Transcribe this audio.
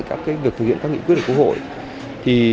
các việc thực hiện các nghị quyết của quốc hội